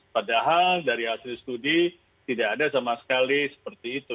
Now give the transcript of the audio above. padahal dari hasil studi tidak ada sama sekali seperti itu